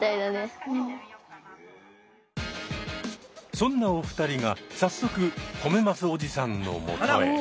そんなお二人が早速褒めますおじさんのもとへ。